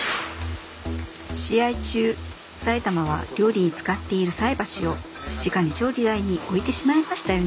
試合中埼玉は料理に使っている菜箸をじかに調理台に置いてしまいましたよね。